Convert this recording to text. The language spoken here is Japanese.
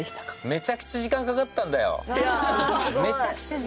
めちゃくちゃ時間かかったよ。